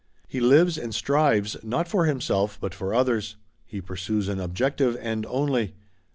He lives and strives, not for himself, but for others; he pursues an objective end only.